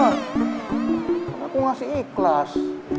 kenapa aku ngasih ikhlas